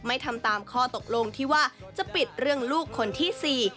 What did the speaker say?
ทำตามข้อตกลงที่ว่าจะปิดเรื่องลูกคนที่๔